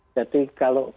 jadi kalau ada